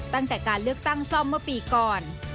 ตั้งแต่การเลือกตั้งซ่อมเมื่อปีก่อน